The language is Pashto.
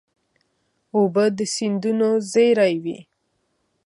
اوبه د سیندونو زېری وي.